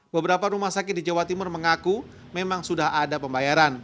beberapa rumah sakit di jawa timur mengaku memang sudah ada pembayaran